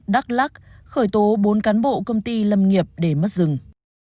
đắk lắc khởi tố bốn cán bộ công ty lâm nghiệp để mất rừng